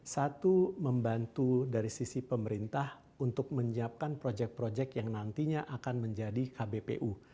satu membantu dari sisi pemerintah untuk menyiapkan proyek proyek yang nantinya akan menjadi kbpu